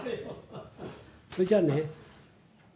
それじゃあね。